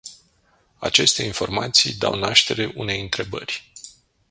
Aceste informații dau naștere unei întrebări.